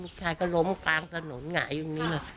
ลูกชายก็ล้มกลางสนุนหงายอยู่นี่แหละ